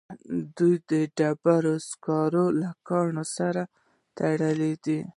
دوی د ډبرو سکارو له کانونو سره تړلي دي